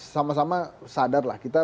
sama sama sadarlah kita